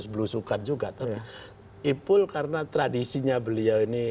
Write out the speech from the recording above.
belusukan juga tapi ipul karena tradisinya beliau ini